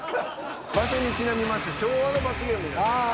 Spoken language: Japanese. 場所にちなみまして昭和の罰ゲームになりなす。